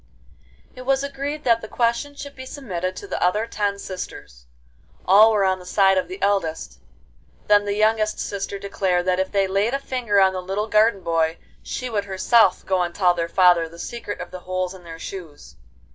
XIII It was agreed that the question should be submitted to the other ten sisters. All were on the side of the eldest. Then the youngest sister declared that if they laid a finger on the little garden boy, she would herself go and tell their father the secret of the holes in their shoes.